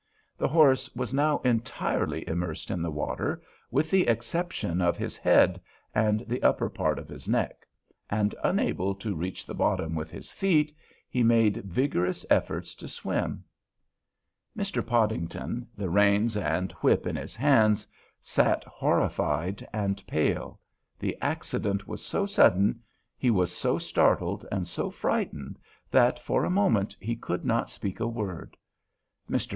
The horse was now entirely immersed in the water, with the exception of his head and the upper part of his neck, and, unable to reach the bottom with his feet, he made vigorous efforts to swim. Mr. Podington, the reins and whip in his hands, sat horrified and pale; the accident was so sudden, he was so startled and so frightened that, for a moment, he could not speak a word. Mr.